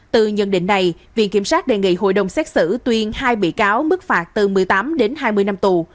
từ nhận định này viện kiểm sát đề nghị hội đồng xét xử tuyên hai bị cáo mức phạt từ một mươi tám đến hai mươi năm tù